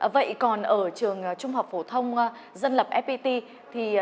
vậy còn ở trường trung học phổ thông dân lập fpt